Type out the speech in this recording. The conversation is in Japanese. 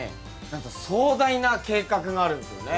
なんと壮大な計画があるんですよね。